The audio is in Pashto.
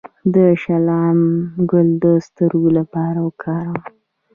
د شلغم ګل د سترګو لپاره وکاروئ